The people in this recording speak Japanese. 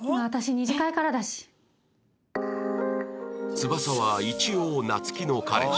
翼は一応夏希の彼氏